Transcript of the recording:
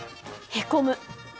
へこむ。